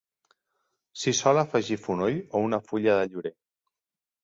S'hi sol afegir fonoll o una fulla de llorer.